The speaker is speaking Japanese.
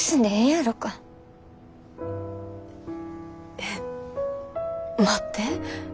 え待って。